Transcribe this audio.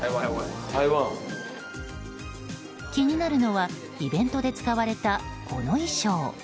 気になるのはイベントで使われたこの衣装。